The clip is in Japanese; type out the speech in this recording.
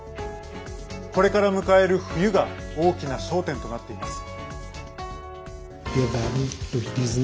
これから迎える冬が大きな焦点となっています。